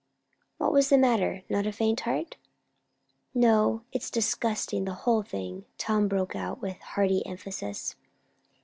"What was the matter? Not a faint heart?" "No. It's disgusting, the whole thing!" Tom broke out with hearty emphasis.